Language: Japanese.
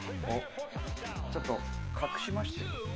ちょっと隠しましたよ。